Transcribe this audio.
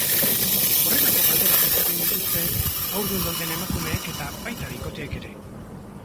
Horrelako galderak izaten dituzte haurdun dauden emakumeek eta baita bikoteek ere.